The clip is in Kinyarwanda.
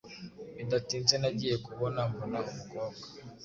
Bidatinze nagiye kubona mbona umukobwa